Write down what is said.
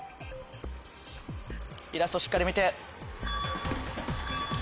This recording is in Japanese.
イラストしっかり見て。